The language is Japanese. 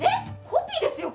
コピーですよ